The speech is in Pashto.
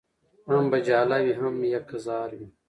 هم به جاله وي هم یکه زار وي